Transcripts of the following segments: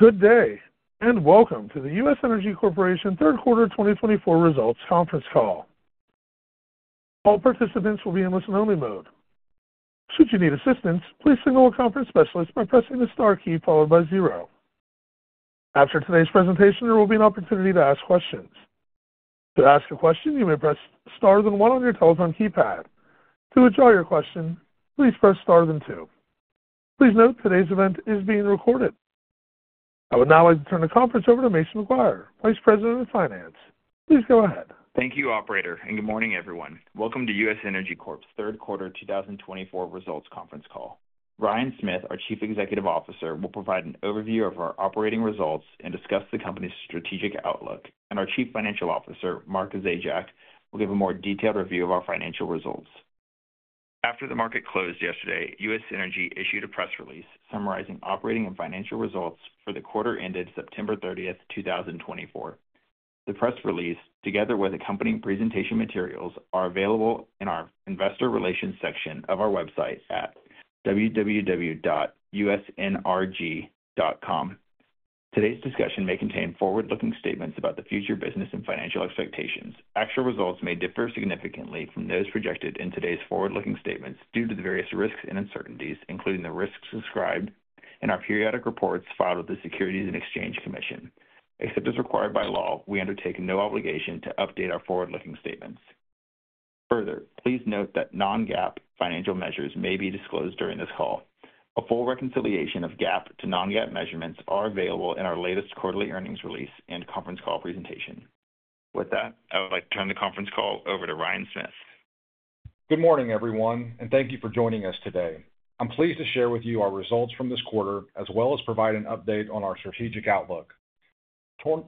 Good day, and welcome to the U.S. Energy Corporation Third Quarter 2024 Results Conference Call. All participants will be in listen-only mode. Should you need assistance, please signal a conference specialist by pressing the star key followed by zero. After today's presentation, there will be an opportunity to ask questions. To ask a question, you may press star then one on your telephone keypad. To withdraw your question, please press star then two. Please note today's event is being recorded. I would now like to turn the conference over to Mason McGuire, Vice President of Finance. Please go ahead. Thank you, Operator, and good morning, everyone. Welcome to U.S. Energy Corp.'s Third Quarter 2024 Results Conference Call. Ryan Smith, our Chief Executive Officer, will provide an overview of our operating results and discuss the company's strategic outlook, and our Chief Financial Officer, Mark Zajac, will give a more detailed review of our financial results. After the market closed yesterday, U.S. Energy issued a press release summarizing operating and financial results for the quarter ended September 30, 2024. The press release, together with accompanying presentation materials, are available in our Investor Relations section of our website at www.usnrg.com. Today's discussion may contain forward-looking statements about the future business and financial expectations. Actual results may differ significantly from those projected in today's forward-looking statements due to the various risks and uncertainties, including the risks described in our periodic reports filed with the U.S. Securities and Exchange Commission. Except as required by law, we undertake no obligation to update our forward-looking statements. Further, please note that non-GAAP financial measures may be disclosed during this call. A full reconciliation of GAAP to non-GAAP measurements is available in our latest quarterly earnings release and conference call presentation. With that, I would like to turn the conference call over to Ryan Smith. Good morning, everyone, and thank you for joining us today. I'm pleased to share with you our results from this quarter, as well as provide an update on our strategic outlook.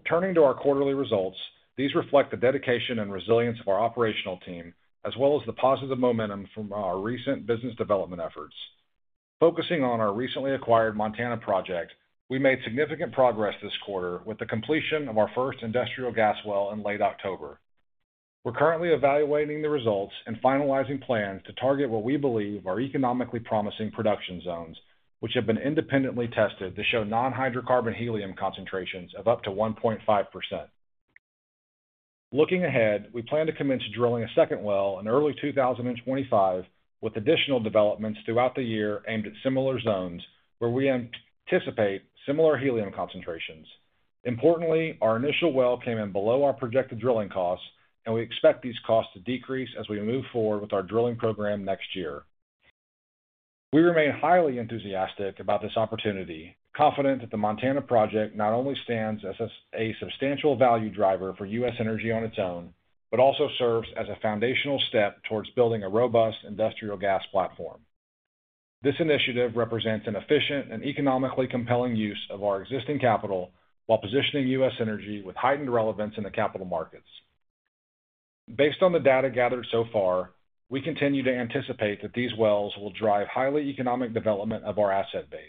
Turning to our quarterly results, these reflect the dedication and resilience of our operational team, as well as the positive momentum from our recent business development efforts. Focusing on our recently acquired Montana project, we made significant progress this quarter with the completion of our first industrial gas well in late October. We're currently evaluating the results and finalizing plans to target what we believe are economically promising production zones, which have been independently tested to show non-hydrocarbon helium concentrations of up to 1.5%. Looking ahead, we plan to commence drilling a second well in early 2025, with additional developments throughout the year aimed at similar zones where we anticipate similar helium concentrations. Importantly, our initial well came in below our projected drilling costs, and we expect these costs to decrease as we move forward with our drilling program next year. We remain highly enthusiastic about this opportunity, confident that the Montana project not only stands as a substantial value driver for U.S. Energy on its own but also serves as a foundational step towards building a robust industrial gas platform. This initiative represents an efficient and economically compelling use of our existing capital while positioning U.S. Energy with heightened relevance in the capital markets. Based on the data gathered so far, we continue to anticipate that these wells will drive highly economic development of our asset base,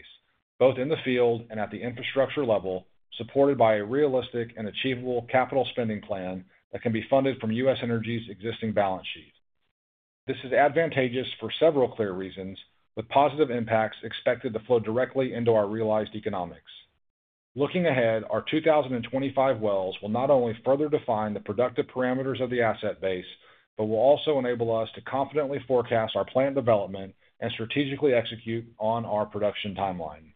both in the field and at the infrastructure level, supported by a realistic and achievable capital spending plan that can be funded from U.S. Energy's existing balance sheet. This is advantageous for several clear reasons, with positive impacts expected to flow directly into our realized economics. Looking ahead, our 2025 wells will not only further define the productive parameters of the asset base but will also enable us to confidently forecast our plant development and strategically execute on our production timeline.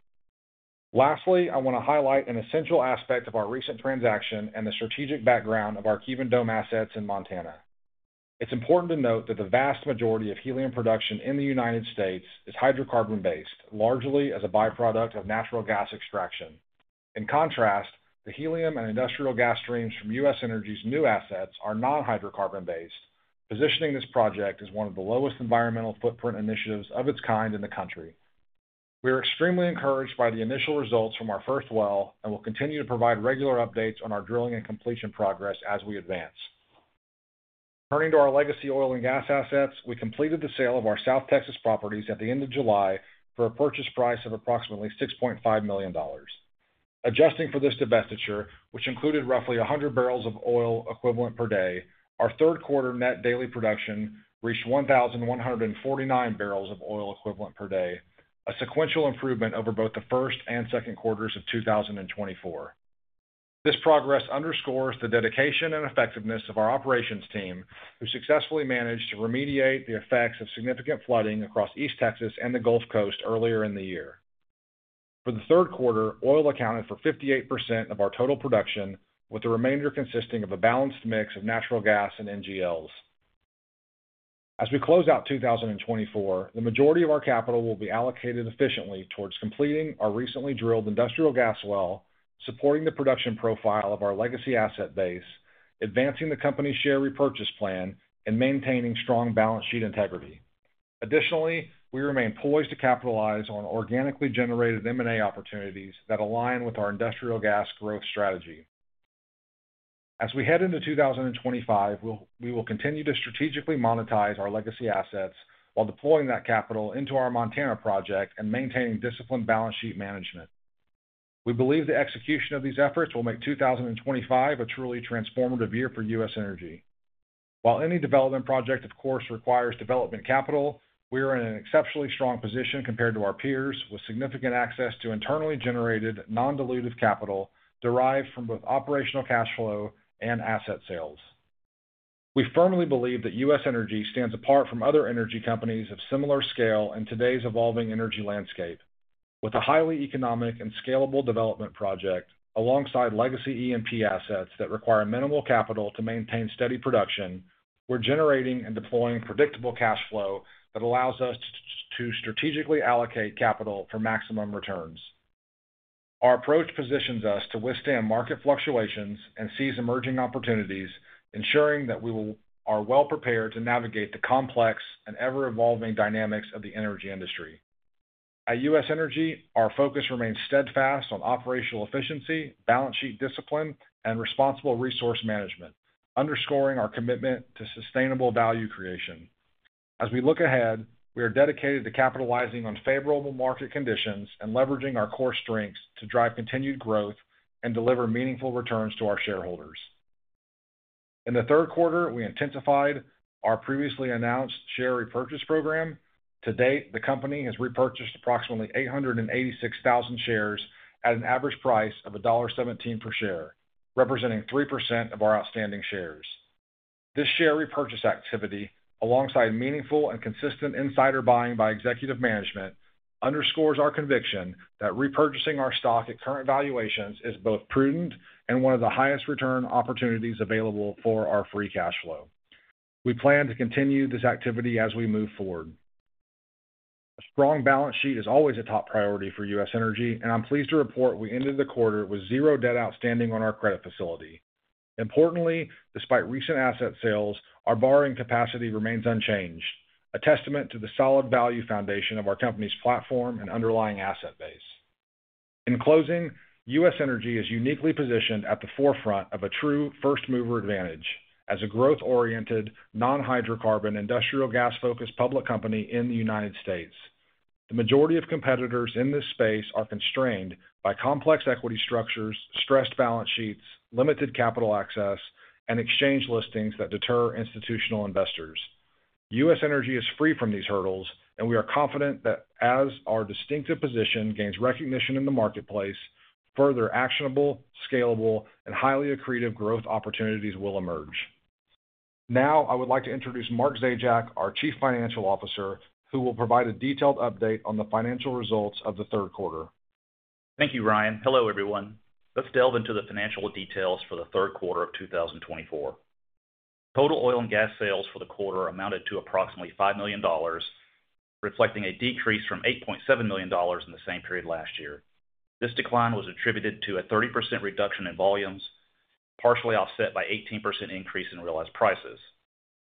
Lastly, I want to highlight an essential aspect of our recent transaction and the strategic background of our Kevin Dome assets in Montana. It's important to note that the vast majority of helium production in the United States is hydrocarbon-based, largely as a byproduct of natural gas extraction. In contrast, the helium and industrial gas streams from U.S. Energy's new assets are non-hydrocarbon-based, positioning this project as one of the lowest environmental footprint initiatives of its kind in the country. We are extremely encouraged by the initial results from our first well and will continue to provide regular updates on our drilling and completion progress as we advance. Turning to our legacy oil and gas assets, we completed the sale of our South Texas properties at the end of July for a purchase price of approximately $6.5 million. Adjusting for this divestiture, which included roughly 100 barrels of oil equivalent per day, our third-quarter net daily production reached 1,149 barrels of oil equivalent per day, a sequential improvement over both the first and second quarters of 2024. This progress underscores the dedication and effectiveness of our operations team, who successfully managed to remediate the effects of significant flooding across East Texas and the Gulf Coast earlier in the year. For the third quarter, oil accounted for 58% of our total production, with the remainder consisting of a balanced mix of natural gas and NGLs. As we close out 2024, the majority of our capital will be allocated efficiently towards completing our recently drilled industrial gas well, supporting the production profile of our legacy asset base, advancing the company's share repurchase plan, and maintaining strong balance sheet integrity. Additionally, we remain poised to capitalize on organically generated M&A opportunities that align with our industrial gas growth strategy. As we head into 2025, we will continue to strategically monetize our legacy assets while deploying that capital into our Montana project and maintaining disciplined balance sheet management. We believe the execution of these efforts will make 2025 a truly transformative year for U.S. Energy. While any development project, of course, requires development capital, we are in an exceptionally strong position compared to our peers, with significant access to internally generated non-dilutive capital derived from both operational cash flow and asset sales. We firmly believe that U.S. Energy stands apart from other energy companies of similar scale in today's evolving energy landscape. With a highly economic and scalable development project, alongside legacy E&P assets that require minimal capital to maintain steady production, we're generating and deploying predictable cash flow that allows us to strategically allocate capital for maximum returns. Our approach positions us to withstand market fluctuations and seize emerging opportunities, ensuring that we are well-prepared to navigate the complex and ever-evolving dynamics of the energy industry. At U.S. Energy, our focus remains steadfast on operational efficiency, balance sheet discipline, and responsible resource management, underscoring our commitment to sustainable value creation. As we look ahead, we are dedicated to capitalizing on favorable market conditions and leveraging our core strengths to drive continued growth and deliver meaningful returns to our shareholders. In the third quarter, we intensified our previously announced share repurchase program. To date, the company has repurchased approximately 886,000 shares at an average price of $1.17 per share, representing 3% of our outstanding shares. This share repurchase activity, alongside meaningful and consistent insider buying by executive management, underscores our conviction that repurchasing our stock at current valuations is both prudent and one of the highest return opportunities available for our free cash flow. We plan to continue this activity as we move forward. A strong balance sheet is always a top priority for U.S. Energy, and I'm pleased to report we ended the quarter with zero debt outstanding on our credit facility. Importantly, despite recent asset sales, our borrowing capacity remains unchanged, a testament to the solid value foundation of our company's platform and underlying asset base. In closing, U.S. Energy is uniquely positioned at the forefront of a true first-mover advantage as a growth-oriented, non-hydrocarbon, industrial gas-focused public company in the United States. The majority of competitors in this space are constrained by complex equity structures, stressed balance sheets, limited capital access, and exchange listings that deter institutional investors. U.S. Energy is free from these hurdles, and we are confident that as our distinctive position gains recognition in the marketplace, further actionable, scalable, and highly accretive growth opportunities will emerge. Now, I would like to introduce Mark Zajac, our Chief Financial Officer, who will provide a detailed update on the financial results of the third quarter. Thank you, Ryan. Hello, everyone. Let's delve into the financial details for the third quarter of 2024. Total oil and gas sales for the quarter amounted to approximately $5 million, reflecting a decrease from $8.7 million in the same period last year. This decline was attributed to a 30% reduction in volumes, partially offset by an 18% increase in realized prices.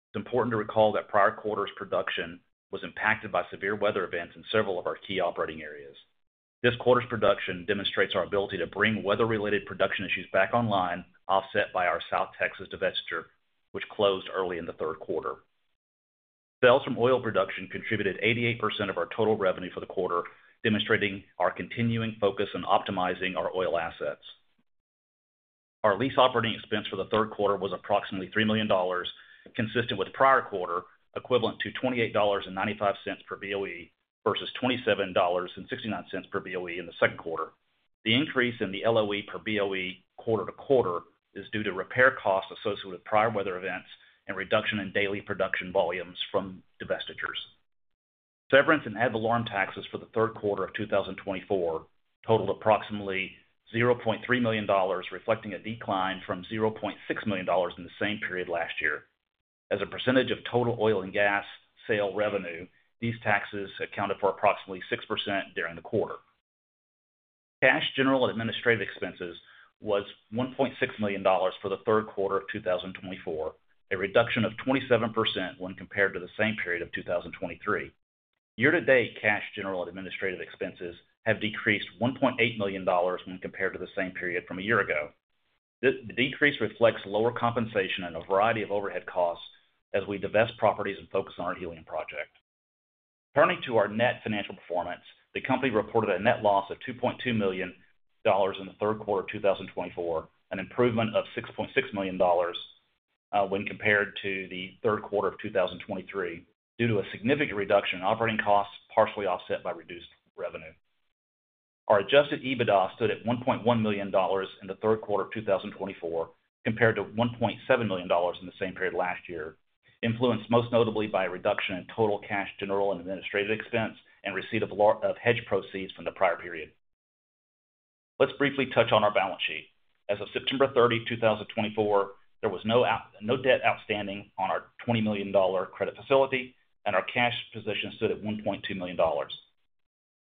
It's important to recall that prior quarter's production was impacted by severe weather events in several of our key operating areas. This quarter's production demonstrates our ability to bring weather-related production issues back online, offset by our South Texas divestiture, which closed early in the third quarter. Sales from oil production contributed 88% of our total revenue for the quarter, demonstrating our continuing focus on optimizing our oil assets. Our lease operating expense for the third quarter was approximately $3 million, consistent with prior quarter, equivalent to $28.95 per BOE versus $27.69 per BOE in the second quarter. The increase in the LOE per BOE quarter to quarter is due to repair costs associated with prior weather events and reduction in daily production volumes from divestitures. Severance and ad valorem taxes for the third quarter of 2024 totaled approximately $0.3 million, reflecting a decline from $0.6 million in the same period last year. As a percentage of total oil and gas sale revenue, these taxes accounted for approximately 6% during the quarter. Cash general and administrative expenses was $1.6 million for the third quarter of 2024, a reduction of 27% when compared to the same period of 2023. Year-to-date, cash general and administrative expenses have decreased $1.8 million when compared to the same period from a year ago. The decrease reflects lower compensation and a variety of overhead costs as we divest properties and focus on our helium project. Turning to our net financial performance, the company reported a net loss of $2.2 million in the third quarter of 2024, an improvement of $6.6 million when compared to the third quarter of 2023, due to a significant reduction in operating costs, partially offset by reduced revenue. Our Adjusted EBITDA stood at $1.1 million in the third quarter of 2024, compared to $1.7 million in the same period last year, influenced most notably by a reduction in total cash general and administrative expense and receipt of hedge proceeds from the prior period. Let's briefly touch on our balance sheet. As of September 30, 2024, there was no debt outstanding on our $20 million credit facility, and our cash position stood at $1.2 million.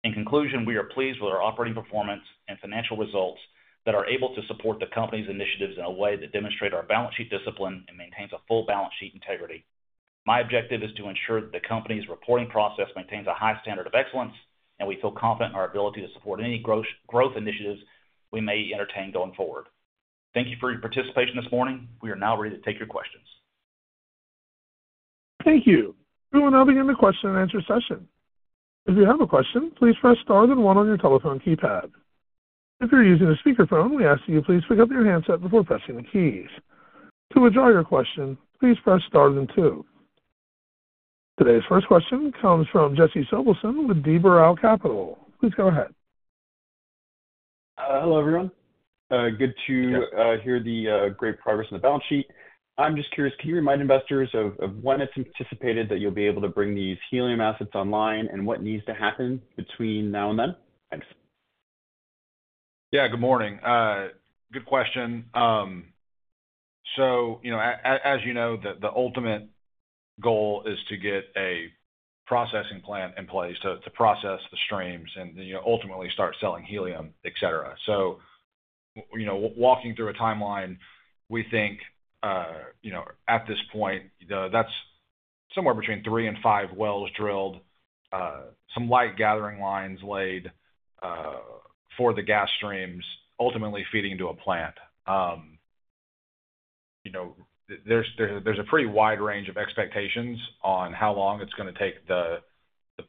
In conclusion, we are pleased with our operating performance and financial results that are able to support the company's initiatives in a way that demonstrates our balance sheet discipline and maintains a full balance sheet integrity. My objective is to ensure that the company's reporting process maintains a high standard of excellence, and we feel confident in our ability to support any growth initiatives we may entertain going forward. Thank you for your participation this morning. We are now ready to take your questions. Thank you. We will now begin the question-and-answer session. If you have a question, please press star then one on your telephone keypad. If you're using a speakerphone, we ask that you please pick up your handset before pressing the keys. To withdraw your question, please press star then two. Today's first question comes from Jesse Silverson with D. Boral Capital. Please go ahead. Hello, everyone. Good to hear the great progress in the balance sheet. I'm just curious, can you remind investors of when it's anticipated that you'll be able to bring these helium assets online and what needs to happen between now and then? Thanks. Yeah, good morning. Good question. So, as you know, the ultimate goal is to get a processing plant in place to process the streams and ultimately start selling helium, etc. So, walking through a timeline, we think at this point, that's somewhere between three and five wells drilled, some light gathering lines laid for the gas streams, ultimately feeding into a plant. There's a pretty wide range of expectations on how long it's going to take the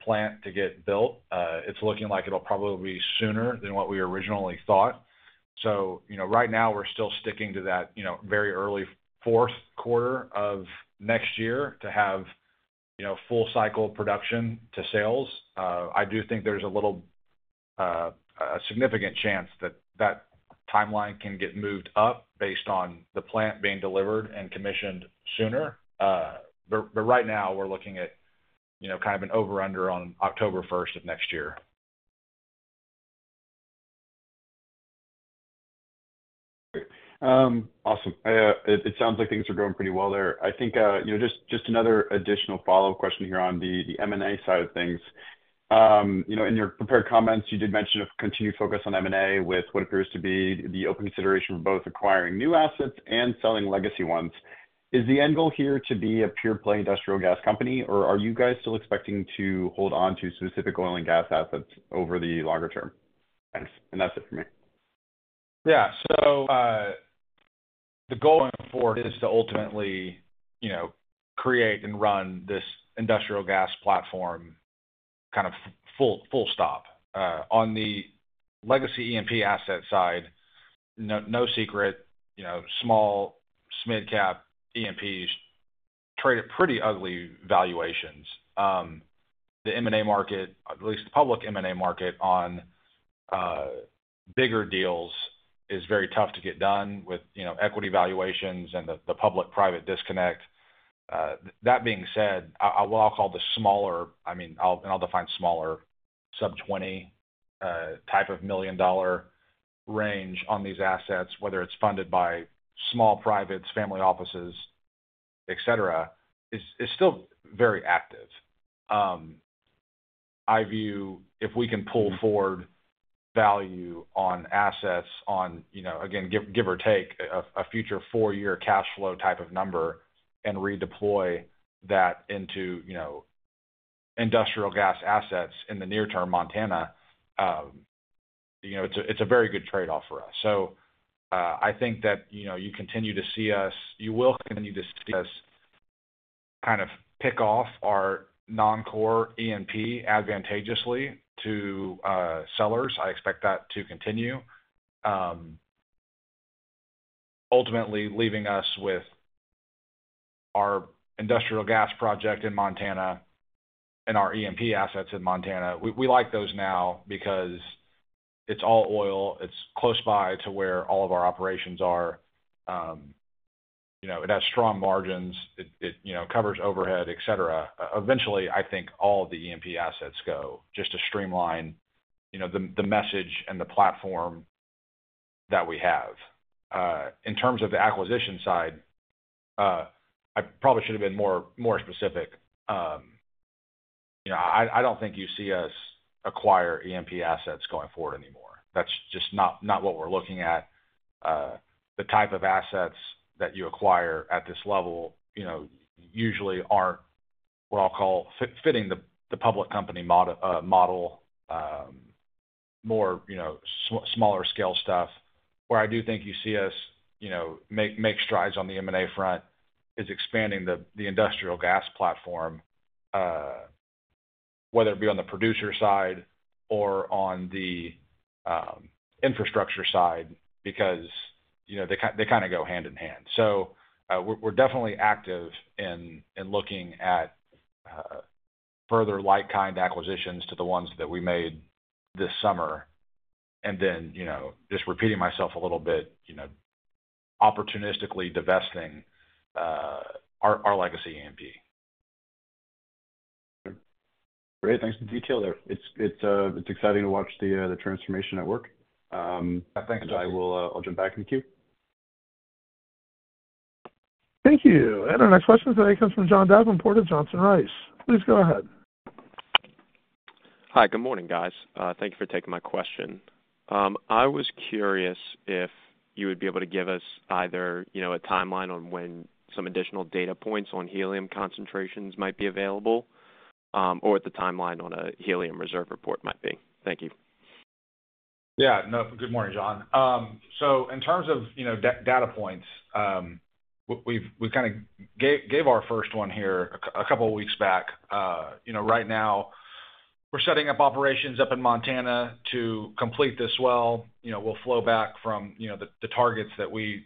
plant to get built. It's looking like it'll probably be sooner than what we originally thought. So, right now, we're still sticking to that very early fourth quarter of next year to have full-cycle production to sales. I do think there's a little significant chance that that timeline can get moved up based on the plant being delivered and commissioned sooner. But right now, we're looking at kind of an over/under on October 1st of next year. Awesome. It sounds like things are going pretty well there. I think just another additional follow-up question here on the M&A side of things. In your prepared comments, you did mention a continued focus on M&A with what appears to be the open consideration for both acquiring new assets and selling legacy ones. Is the end goal here to be a pure-play industrial gas company, or are you guys still expecting to hold on to specific oil and gas assets over the longer term? Thanks. And that's it for me. Yeah. The goal in the fourth is to ultimately create and run this industrial gas platform kind of full stop. On the legacy E&P asset side, no secret, small, mid-cap E&Ps trade at pretty ugly valuations. The M&A market, at least the public M&A market, on bigger deals is very tough to get done with equity valuations and the public-private disconnect. That being said, what I'll call the smaller, I mean, and I'll define smaller, sub-$20 million range on these assets, whether it's funded by small privates, family offices, etc., is still very active. I view if we can pull forward value on assets on, again, give or take a future four-year cash flow type of number and redeploy that into industrial gas assets in the near-term Montana, it's a very good trade-off for us. I think that you continue to see us. You will continue to see us kind of pick off our non-core E&P advantageously to sellers. I expect that to continue, ultimately leaving us with our industrial gas project in Montana and our E&P assets in Montana. We like those now because it's all oil. It's close by to where all of our operations are. It has strong margins. It covers overhead, etc. Eventually, I think all of the E&P assets go just to streamline the message and the platform that we have. In terms of the acquisition side, I probably should have been more specific. I don't think you see us acquire E&P assets going forward anymore. That's just not what we're looking at. The type of assets that you acquire at this level usually aren't what I'll call fitting the public company model, more smaller-scale stuff. Where I do think you see us make strides on the M&A front is expanding the industrial gas platform, whether it be on the producer side or on the infrastructure side, because they kind of go hand in hand. So, we're definitely active in looking at further like-kind acquisitions to the ones that we made this summer. And then just repeating myself a little bit, opportunistically divesting our legacy E&P. Great. Thanks for the detail there. It's exciting to watch the transformation at work. Yeah, thanks, John. I'll jump back in the queue. Thank you. And our next question today comes from John Davenport at Johnson Rice. Please go ahead. Hi, good morning, guys. Thank you for taking my question. I was curious if you would be able to give us either a timeline on when some additional data points on helium concentrations might be available or what the timeline on a helium reserve report might be. Thank you. Yeah. Good morning, John. So, in terms of data points, we kind of gave our first one here a couple of weeks back. Right now, we're setting up operations up in Montana to complete this well. We'll flow back from the targets that we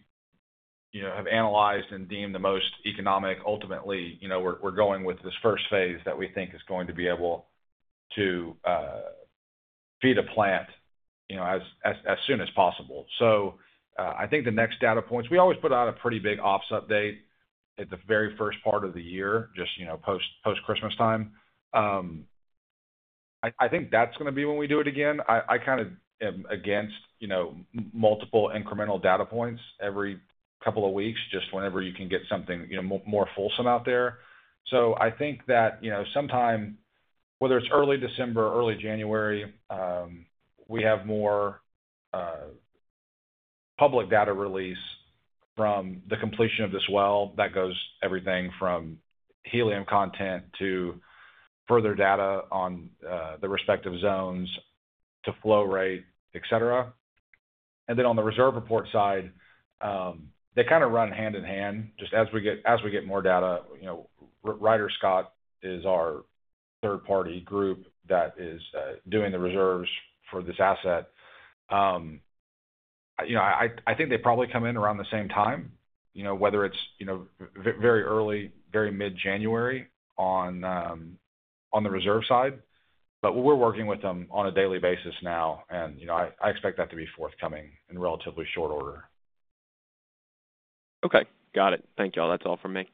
have analyzed and deemed the most economic. Ultimately, we're going with this first phase that we think is going to be able to feed a plant as soon as possible. So, I think the next data points, we always put out a pretty big ops update at the very first part of the year, just post-Christmas time. I think that's going to be when we do it again. I kind of am against multiple incremental data points every couple of weeks, just whenever you can get something more fulsome out there. I think that sometime, whether it's early December, early January, we have more public data release from the completion of this well that goes everything from helium content to further data on the respective zones to flow rate, etc. And then on the reserve report side, they kind of run hand in hand just as we get more data. Ryder Scott is our third-party group that is doing the reserves for this asset. I think they probably come in around the same time, whether it's very early, very mid-January on the reserve side. But we're working with them on a daily basis now, and I expect that to be forthcoming in relatively short order. Okay. Got it. Thank you all. That's all for me.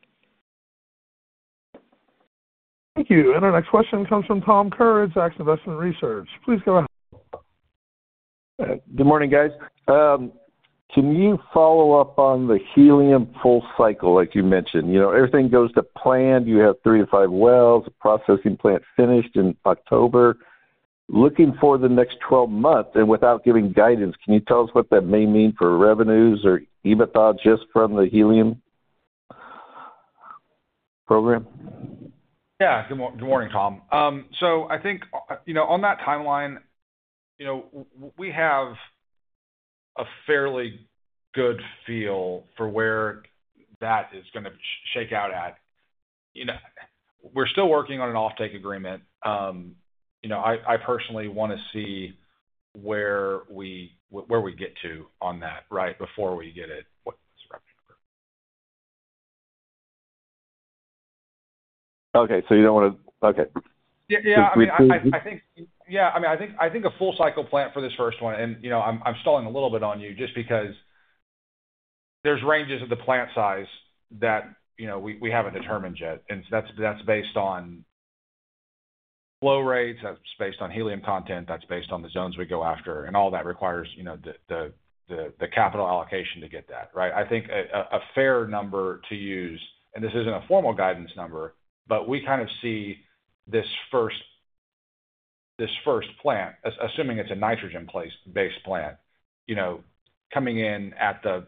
Thank you. And our next question comes from Tom Kerr, Zacks Investment Research. Please go ahead. Good morning, guys. Can you follow up on the helium full cycle like you mentioned? Everything goes to plan. You have three to five wells, processing plant finished in October. Looking for the next 12 months and without giving guidance, can you tell us what that may mean for revenues or EBITDA just from the helium program? Yeah. Good morning, Tom. So, I think on that timeline, we have a fairly good feel for where that is going to shake out at. We're still working on an offtake agreement. I personally want to see where we get to on that right before we get it. Okay. So, you don't want to okay. Yeah. I mean, I think a full-cycle plant for this first one, and I'm stalling a little bit on you just because there's ranges of the plant size that we haven't determined yet. And that's based on flow rates. That's based on helium content. That's based on the zones we go after. And all that requires the capital allocation to get that, right? I think a fair number to use, and this isn't a formal guidance number, but we kind of see this first plant, assuming it's a nitrogen-based plant, coming in at the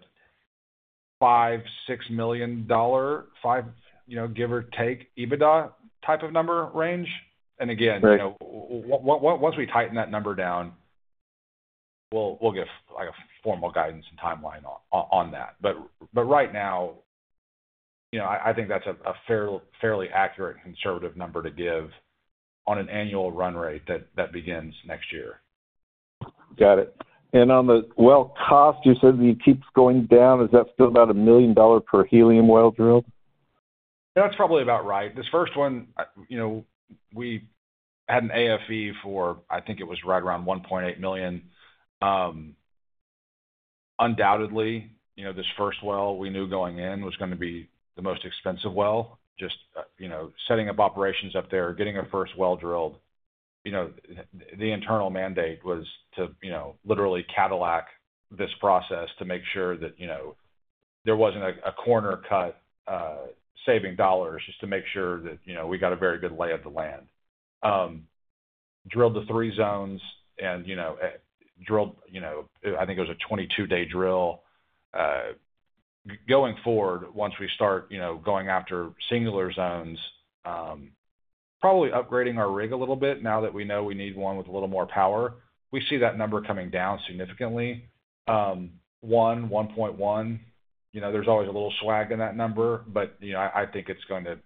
$5-$6 million, give or take, EBITDA type of number range. And again, once we tighten that number down, we'll get a formal guidance and timeline on that. But right now, I think that's a fairly accurate and conservative number to give on an annual run rate that begins next year. Got it. And on the well cost, you said it keeps going down. Is that still about $1 million per helium well drilled? That's probably about right. This first one, we had an AFE for, I think it was right around $1.8 million. Undoubtedly, this first well we knew going in was going to be the most expensive well. Just setting up operations up there, getting a first well drilled, the internal mandate was to literally Cadillac this process to make sure that there wasn't a corner cut saving dollars just to make sure that we got a very good lay of the land. Drilled the three zones and drilled, I think it was a 22-day drill. Going forward, once we start going after singular zones, probably upgrading our rig a little bit now that we know we need one with a little more power. We see that number coming down significantly. 1, 1.1, there's always a little SWAG in that number, but I think it's going to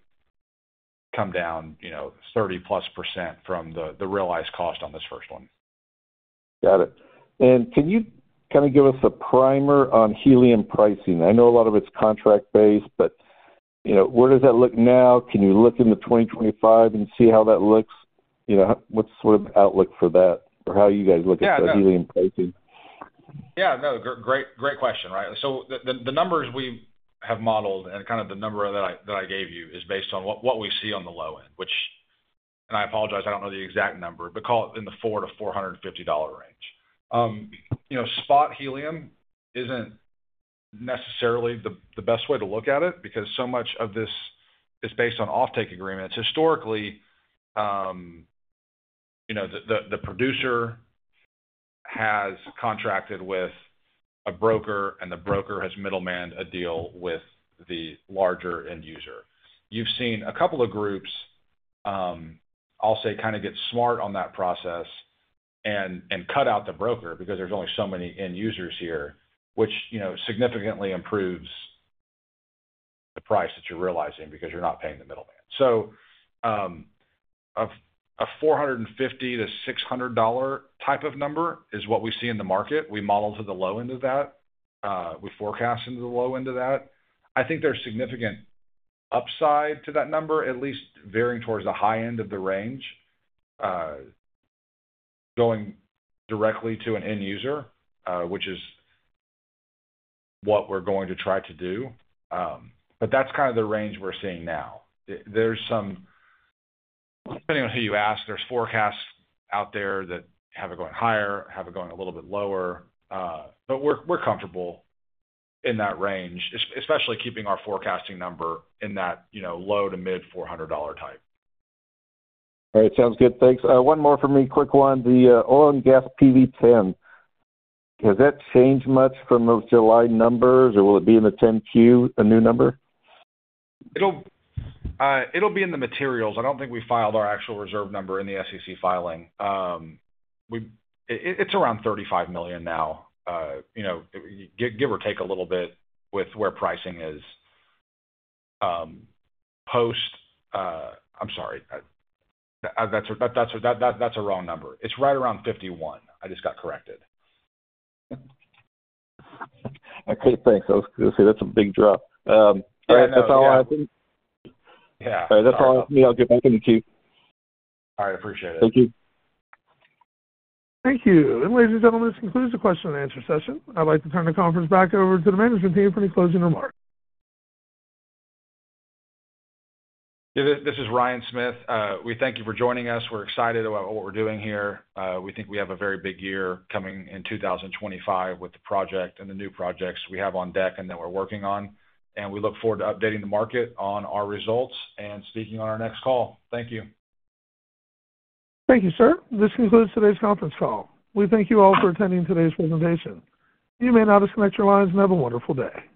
come down 30-plus% from the realized cost on this first one. Got it. And can you kind of give us a primer on helium pricing? I know a lot of it's contract-based, but where does that look now? Can you look in the 2025 and see how that looks? What's sort of the outlook for that or how you guys look at the helium pricing? Yeah. No, great question, right? So, the numbers we have modeled and kind of the number that I gave you is based on what we see on the low end, which, and I apologize, I don't know the exact number, but call it in the $400-$450 range. Spot helium isn't necessarily the best way to look at it because so much of this is based on offtake agreements. Historically, the producer has contracted with a broker, and the broker has middlemanned a deal with the larger end user. You've seen a couple of groups, I'll say, kind of get smart on that process and cut out the broker because there's only so many end users here, which significantly improves the price that you're realizing because you're not paying the middleman. So, a $450-$600 type of number is what we see in the market. We model to the low end of that. We forecast into the low end of that. I think there's significant upside to that number, at least varying towards the high end of the range, going directly to an end user, which is what we're going to try to do. But that's kind of the range we're seeing now. Depending on who you ask, there's forecasts out there that have it going higher, have it going a little bit lower. But we're comfortable in that range, especially keeping our forecasting number in that low to mid-$400 dollar type. All right. Sounds good. Thanks. One more for me, quick one. The oil and gas PV-10, has that changed much from those July numbers, or will it be in the 10-Q, a new number? It'll be in the materials. I don't think we filed our actual reserve number in the SEC filing. It's around 35 million now, give or take a little bit with where pricing is post. I'm sorry. That's a wrong number. It's right around 51. I just got corrected. Okay. Thanks. I see that's a big drop. All right. That's all I have. Yeah. All right. That's all I have for me. I'll get back in the queue. All right. Appreciate it. Thank you. Thank you, and ladies and gentlemen, this concludes the question and answer session. I'd like to turn the conference back over to the management team for any closing remarks. This is Ryan Smith. We thank you for joining us. We're excited about what we're doing here. We think we have a very big year coming in 2025 with the project and the new projects we have on deck and that we're working on, and we look forward to updating the market on our results and speaking on our next call. Thank you. Thank you, sir. This concludes today's conference call. We thank you all for attending today's presentation. You may now disconnect your lines and have a wonderful day.